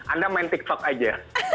anda main tiktok saja